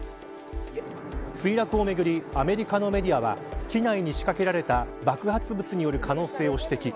墜落をめぐりアメリカのメディアは機内に仕掛けられた爆発物による可能性を指摘。